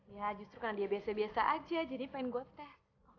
ya justru karena dia biasa biasa aja jadi pengen goteh